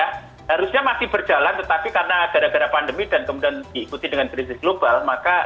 harusnya masih berjalan tetapi karena gara gara pandemi dan kemudian diikuti dengan krisis global maka